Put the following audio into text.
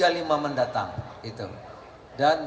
dan tidak ada negara maju